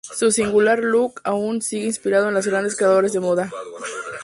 Su singular look aún hoy sigue inspirando a los grandes creadores de moda.